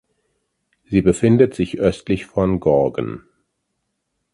Sie befindet sich östlich von Gorgan.